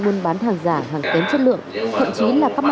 văn bán hàng giả hàng kếm tài sản